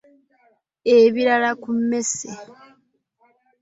Ebirala ku mmese.